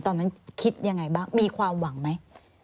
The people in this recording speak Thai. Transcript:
ตอนนั้นคิดยังไงบ้างมีความหวังไหม